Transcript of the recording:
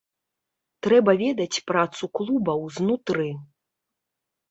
Трэба ведаць працу клубаў знутры.